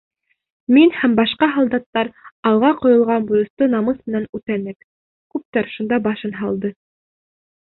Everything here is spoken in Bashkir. Мин һәм башҡа һалдаттар алға ҡуйылған бурысты намыҫ менән үтәнек, күптәр шунда башын һалды.